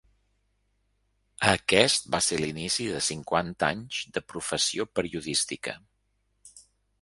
Aquest va ser l'inici de cinquanta anys de professió periodística.